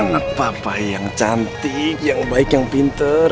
anak papa yang cantik yang baik yang pinter